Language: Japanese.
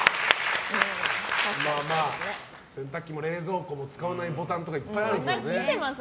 洗濯機も冷蔵庫も使わないボタンがいっぱいあるけどね。